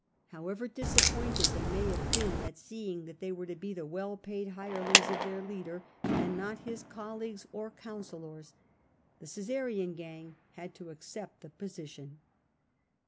However disappointed they may have been at seeing that they were to be the well paid hirelings of their leader, and not his colleagues or councillors, the Caesarian gang had to accept the position.